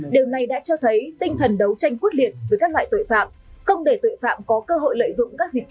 điều này đã cho thấy tinh thần đấu tranh quyết liệt với các loại tội phạm không để tội phạm có cơ hội lợi dụng các dịch vụ